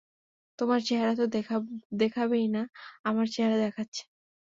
তোমার চেহারা তো দেখাবেই না, আমার চেহারা দেখাচ্ছে।